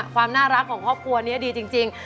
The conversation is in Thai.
ความน่ารักของครอบครัวนี้ดีจริง